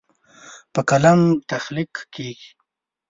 په قلم تخلیق کیږي.